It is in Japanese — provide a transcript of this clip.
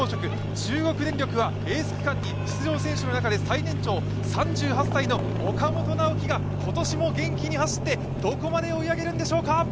中国電力はエース区間に出場選手の中で最年長、３８歳の岡本直己が今年も元気に走ってどこまで追い上げるんでしょうか。